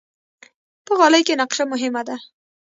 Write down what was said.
په غالۍ کې نقشه مهمه ده.